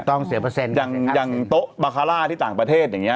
ต้องเสียเปอร์เซ็นต์อย่างอย่างโต๊ะบาคาร่าที่ต่างประเทศอย่างเงี้